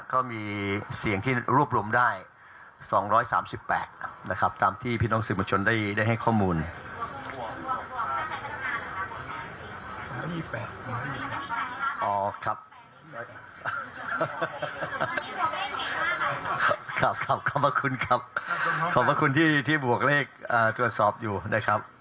ขอบคุณครับขอบคุณที่บวกเลขตรวจสอบอยู่นะครับ